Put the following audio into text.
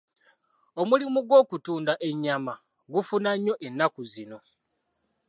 Omulimu gw'okutunda ennyama gufuna nnyo ennaku zino.